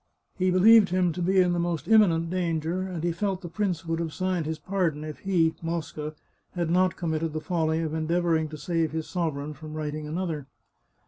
He believed him to be in the most imminent danger, and felt the prince would have signed his pardon if he (Mosca) had not com 409 The Chartreuse of Parma mitted the folly of endeavouring to save his sovereigfn from writing another.